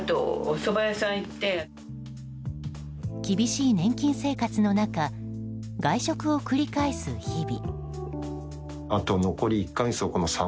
厳しい年金生活の中外食を繰り返す日々。